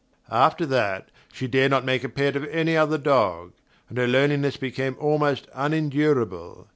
After that she dared not make a pet of any other dog; and her loneliness became almost unendurable.